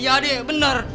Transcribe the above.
iya deh bener